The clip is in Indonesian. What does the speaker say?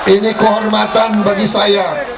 ini kehormatan bagi saya